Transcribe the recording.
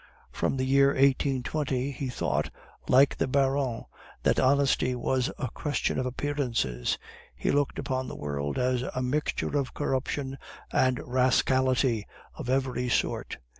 From the year 1820 he thought, like the Baron, that honesty was a question of appearances; he looked upon the world as a mixture of corruption and rascality of every sort.